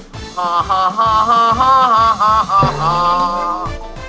ฮ่าฮ่าฮ่าฮ่าฮ่าฮ่าฮ่าฮ่า